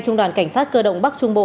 trung đoàn cảnh sát cơ động bắc trung bộ